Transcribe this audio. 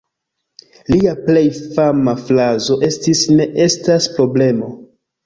Lia plej fama frazo estis "Ne estas problemo".